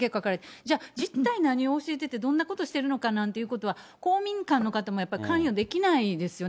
じゃあ、実際何を教えてて、どんなことしてるのかなんていうことは、公民館の方もやっぱり、関与できないですよね。